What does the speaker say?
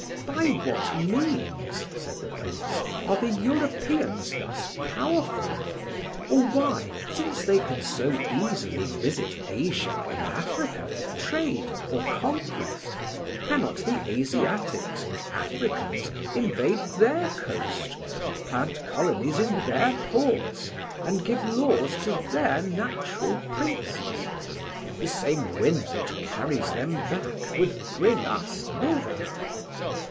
"By what means," said the Prince, "are the Europeans thus powerful? or why, since they can so easily visit Asia and Africa for trade or conquest, cannot the Asiatics and Africans invade their coast, plant colonies in their ports, and give laws to their natural princes? The same wind that carries them back would bring us thither."